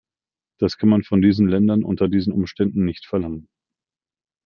Das kann man von diesen Ländern unter diesen Umständen nicht verlangen.